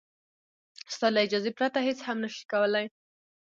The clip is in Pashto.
ستا له اجازې پرته هېڅ هم نه شي کولای.